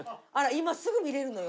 今すぐ見れるのよ。